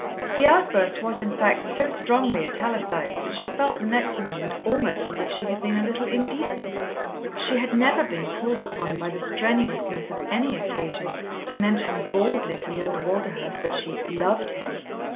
The outburst was in fact so strongly italicised that she felt the next moment almost as if she had been a little indecent. She had never been called upon by the strenuousness of any occasion to mention baldly to Lord Walderhurst that she "loved" him.